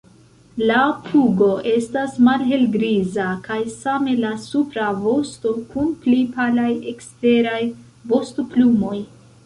La pugo estas malhelgriza kaj same la supra vosto kun pli palaj eksteraj vostoplumoj.